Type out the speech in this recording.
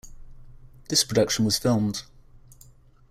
This production was filmed.